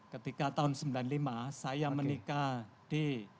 ketika tahun seribu sembilan ratus sembilan puluh lima saya menikah di